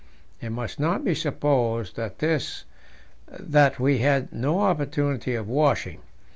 It must not be supposed from this that we had no opportunity of washing.